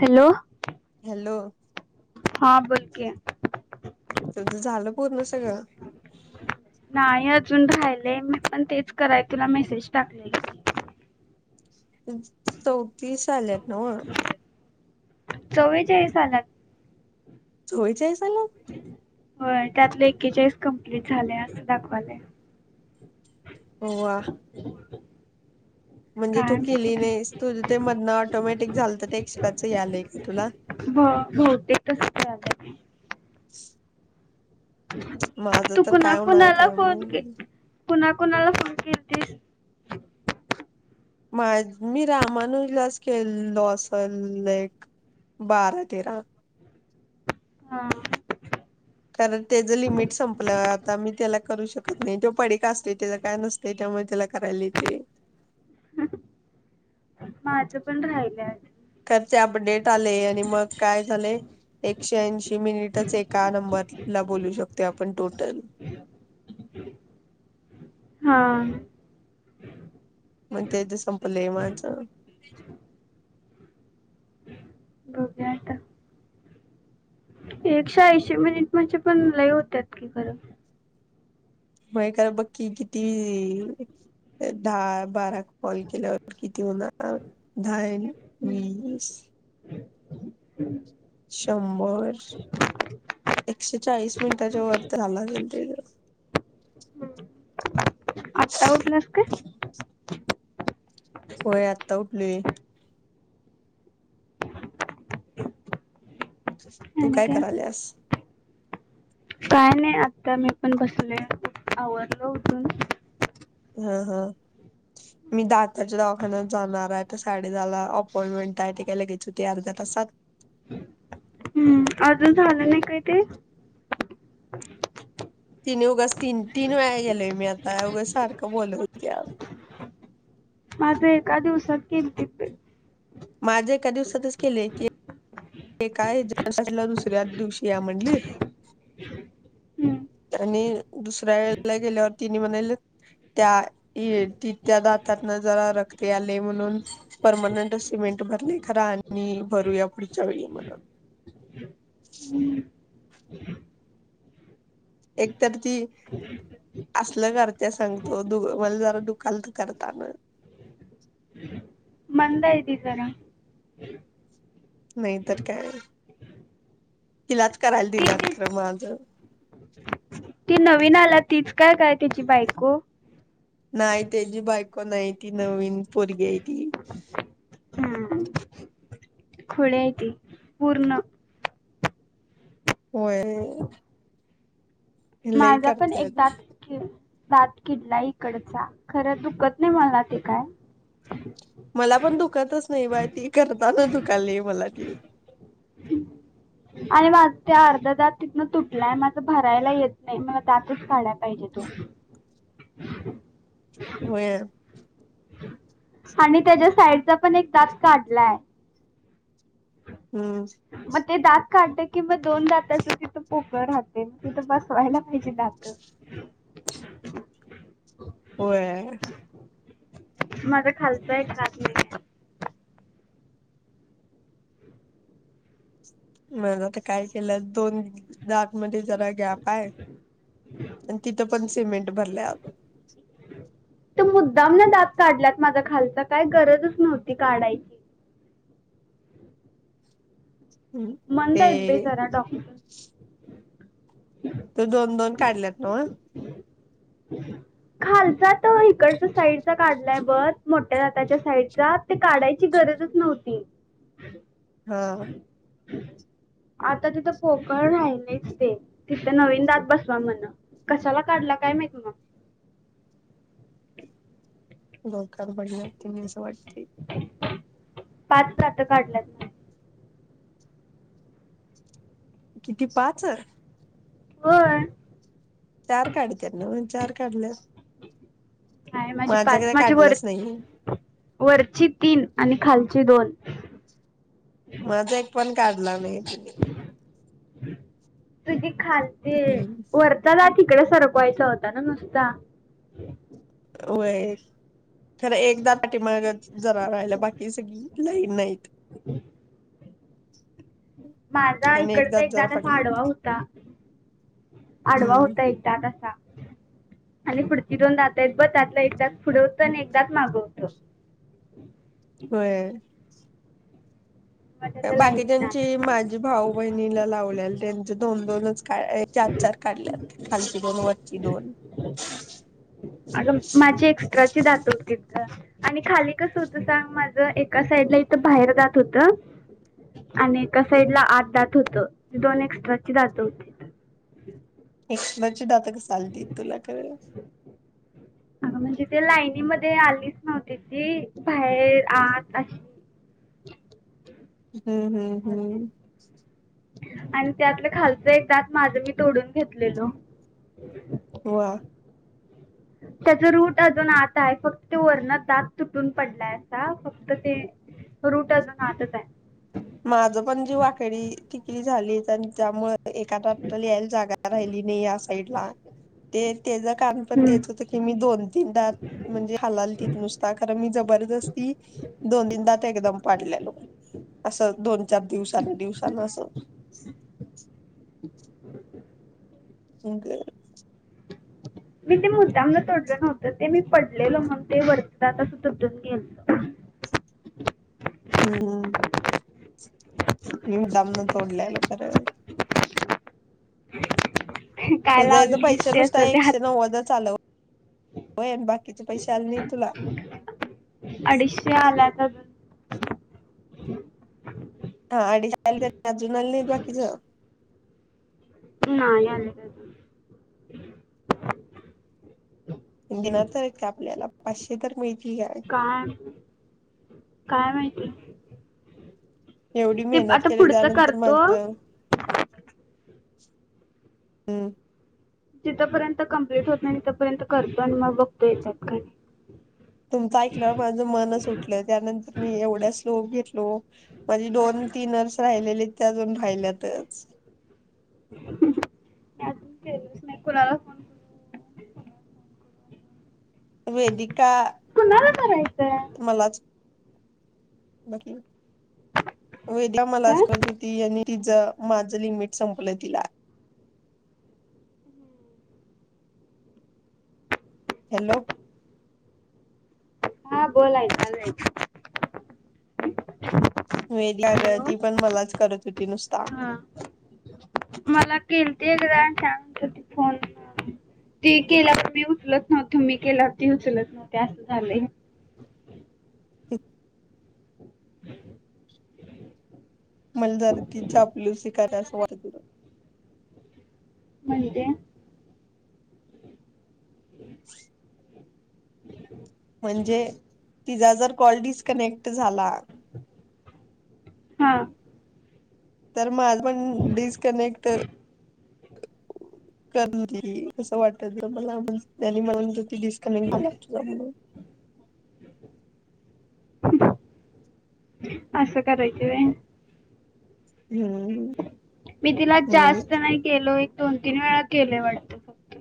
Hello. Hello. हा बोल की. तुझं झालं पूर्ण सगळं? नाही अजून राहिलय. मी पण तेच कराय तुला मेसेज टाकलय. चौतीस आल्यात नव्ह? चौवेचाळीस आल्यात. चौवेचालीस आल्यात? व्हय त्यातलं एकेचाळीस कंप्लीट झालय असं दाखवायलंय. हो वा. म्हणजे काय तू केली माहिती नाहीस. तुझं ते मधन ऑटोमॅटिक झालतं तर ते एक्स्ट्राचं यालंय का तुला? हा बहुतेक तसच यालय. [inaudible] माझं तु तर कुणा काय होणार कुणाला काय फोन के माहित कुणा कुणाला फोन केलतीस? माय मी रामानुजलाच केलो असल एक. बारा तेरा. हां कारण त्याचं लिमिट संपलं, आता मी त्याला करू शकत नाही तो पडी का असतोय, तेज काय नसते, त्यामुळे त्याला करायला येते. माझं पण राहिल्यात. खर ते, अपडेट आले, आणि मग काय झाले. एकशे-ऐंशी मिनिटच एका नंबरला बोलू शकतो आपण टोटल. [unintelligible] हां. मग तेच संपले माझ. बघूया आता. एकशे-ऐंशी मिनिट म्हणजे पण, लई होतात की खरं. व्हय का बघ की किती ए दहा-बारा कॉल केल्यावर किती होणार अं दहा? हम्म हम्म शंभर एकशे चाळीस मिनिटांच्या वर तर झाला. आत्ता उठलात काय? होय आत्ता उठली. तू काय करायल्यास? काय नाही आता मी पण बसलेय आवरलं उठून. हा हा मी दाताच्या दवाखान्यात जाणार आहे आता साडे दहाला अपॉइंटमेंट आहे ती काय लगेच होते अर्ध्या तासात हम्म अजून झालं नाही काय ते? तिने उगाच तीन तीन वेळा गेलेय मी आता उगाच सारखं बोलवत्यात. माझं एका दिवसात केलते पेड माझं एका दिवसातच केलयं की हे काय दुसऱ्या दिवशी या म्हंणली हम्म. आणि दुसऱ्या गेल्यावर तिने म्हणालेत त्या ए त्या दातातनं जरा रक्त आले म्हणून परमनंटच सिमेंट भरले खरा आणि भरूया पुढच्या वेळी म्हणून एक तर ती असलं करत्या सांगतो दोघं मला दुखाल दुखालत करताना [unintelligible] मद आहे ते जरा नाही तर काय तिलाच करायला ती दिल्यात ती- खरं माझं. ती नवीन आला तीच काय काय त्याची बायको? नाही तेची बायको नाही ती नवीन पोरगी आहे ती. हम्म खुळे आहे ती पूर्ण होय लई माझा पण करते एक दात घेऊ दात किडला इकडचा खरं दुखत नाही मला ते काय. मला पण दुखतच नाही बाई ती करताना दुखायले मला ती आणि माझ ते अर्धा दात तिथनं तुटलाय माझं भरायला येत नाही मला दातच काढयला पाहिजेत तो. [unintelligible] [unintelligible] व्हय आणि त्याच्या साईडचा पण एक दात काढलाय. हम्म मग ते दात काढत कि म दोन दातच तिथं पोकळ राहते मग तिथं बसवायला पाहिजे दात. [inaudible] होय. माझ खालचय एक दात नाहीय. मग तर काय केलं दोन दात मध्ये जरा गॅप आहे. आणि तिथं पण सिमेंट भरल्यात. तो मुद्दाम ना दात काढल्यात माझा खालचा काय गरजच नव्हती काढायची. मंद ते इत बाई जरा डॉक्टर. त दोन दोन काढल्यात न व? [inaudible] खालचा तर इकडचा साईडचा काढलाय बघ मोठ्या दाताच्या साईडचा ते काढायची गरज च नव्हती. हा. आता तिथं पोपळ राहिलेच ते तिथं नवीन दात बसवा म्हण कशाला काढला. काय माहिती मग. [inaudible] डोक्यावर पडल्या मी असं वाटते. पाच सात काढल्यात न. किती पाच? होय! चार काढत्यात ना चार काढल्यात. का माझी माझा पाच काय माझ वर काढलाच नाही वरची तीन. आणि खालची दोन. माझा एक पण काढला नाही तिनी तुझी खालते वरचा दात तिकडे सरकवायचा होता न नुसता. वय खरं एकदा पाठी मागचं. जरा राहायला बाकी सगळी लाईन नाहीत. माझा आणि इकड एकदाच एक जरा दात असा पाठीमाग आडवा होता. आडवा हम्म होता एकदा असा. आणि पुढची दोन दात आहेत ब त्यातलं एक दात पुढ होत आणि एक दात माग होत. होय. मग त्याच्या बाकी लाईनीनं ज्यांची आलं माझी भाऊ बहिणीला लावल्याल त्यांच. दोन दोनच का चार चार काढल्यात खालची दोन वरची दोन. अग माझी एक्स्ट्राची दात होतीत ग आणि खाली कस होत सांग माझ. एका साईड ला इथं बाहेर जात होत. आणि एका साइड ला आठ दात होत दोन एक्स्ट्राची दात होतीत. एक्स्ट्राची दात [unintelligible] तुला [unintelligible] [inaudible] ह म्हणजे ते लाईनीमध्ये आलीच नव्हती ती बाहेर आत अशी. [inaudible] हम्म हम्म आली. हम्म आणि त्यातलं खालच एक तात माझं मी तोडून घेतलेलो. वा! त्याच रूट अजून आत आहे फक्त ते वरण दात तुटून पडलाय असा फक्त ते रूट अजून आतच आहे. माझ पण जीव वाकडी टिकडी झाली त्यामुळे एखकादा टल यायल जागा राहिली नाही या साईड ला ते त्याच कारण पण हम्म. तेच होतं की मी दोन तीनदा म्हणजे हालालतीत नुसता कारण मी ज बरदस्ती दोन तीनदाात एकदम पाडलेलो. असं, दोन-चार दिवसानं, दिवसानं असं फोन करायचा. मी ते मुद्द्यामनं तोडलं नव्हतं, ते मी पडलेलं, म्हणून ते वरचं असं तुटत गेलं मी मुद्दामनं तोडलेलो, खरं. काय तुझे ह्याचे पैसे, लावलीस ते नुसता असं ते एकशे हात नव्वदच आलंय होय, बाकीचे पैसे आले नाहीत तुला. हबन [unintelligible] हा अडीचशे आले, त्यातले अजून आले नाही बाकीचं? नाही आलेलं. देणारं तर आहेत का आपल्याला? पाचशे तर मिळतील. काय? काय माहिती? एवढी ते मेहनत आता केली, पुढचं त्यानंतर करतो माझं हम्म. जिथं पर्यंत कमप्लीट होत नाही, तिथं पर्यंत करतोय. आणि मग बघतो येतात काय? तुमचं ऐकल्यावर, माझं मनंच उठलं. त्यानंतर मी एवढ्या स्लोप घेतलो. माझी, दोन-तीन [unintelligible] राहिलेली, ते अजून राहिल्यातच. मी अजून केलंच नाही, कुणाला फोन. वेदिका, कुणाला करायचं मलाच बाकी, वेदीका मलाच करत काय होती. आणि तिचं माझं लिमिट संपलं, तिला. हॅलो. हा, बोल आई काय चाललय? वेड लागल. ती पण, मलाच करत होती नुसती. हा, मला केलती एकदा, शांत होती फोन वर. ती केल्यावर मी उचलत नव्हती, मी केल्यावर ती उचलत नव्हती. असं झालंय! एक. हम्... मला जरा, ती चापलूसि करणार आहे असं वाटलं. म्हणजे? म्हणजे, तिचा जर कॉल डिस्कनेक्ट झाला हा. तर माझं पण, डिस्कनेक्ट करणी केली, असं वाटतं मला आणि त्याने मला सांगितला डिस्कनेक्ट झाला तुझा, म्हणून. असं करायची व्हय? हम्म मी तिला, हम्म जास्त नाही केलो. एक दोन-तीन वेळा केलंय वाटतं, फक्त.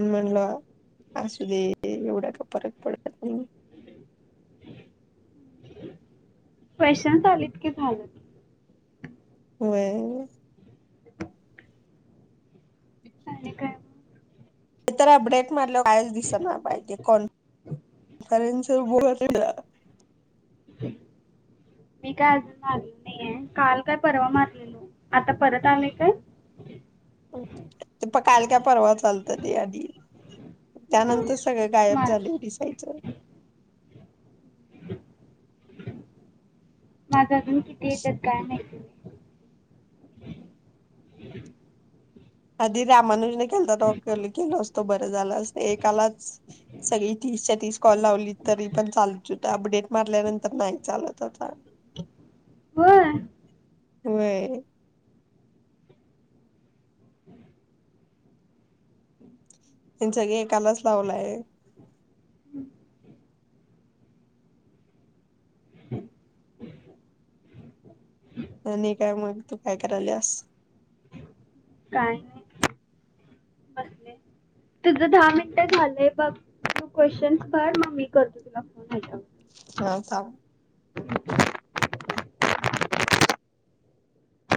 म्हणल - असू दे, एवढा काय फरक पडत नाही.. क्वेश्चनस् आलीत की झालं. होय. आणि काय? एक तर, अपडेट मारल्यावर कायच दिसंना बाई, ते कॉन्फरन्स वर [unintelligible] मी काय, अजून मारलेली नाहीये, काल का परवा मारलेलो आता परत आलंय काय? प काल का परवाच, आलतं ते आधी. हा, त्यानंतर सगळं, तेच गायब मारलं झालंय दिसायचं. माझं, अजून किती येतात? काय माहीत? आधी रामानुजन के - कॉल केला असतो बर झाल असत. एकालाच सगळी तीसच्या तीस कॉल लावली तर- तरी पण चालत होत. अपडेट मारल्यानंतर नाही चालत आता. होय? होय. त्यांनी सगळे एकालाच लावलेत. हम्म. आणि काय? मग तू काय करायलीयास? काय नाही -बसले. तुझं दहा मिनिटं झालंय बघ. तू क्वेश्चन् कर मग मी करतो तुला फोन. [unintelligible] हा थांब.